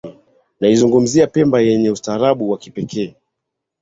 Naizungumzia Pemba yenye ustaarabu wa kipekee